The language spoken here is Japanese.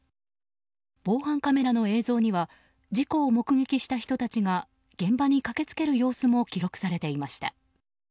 防犯カメラの映像には事故を目撃した人たちが現場に駆けつける様子も記録されていました。